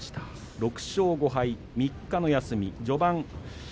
６勝５敗、３日の休み。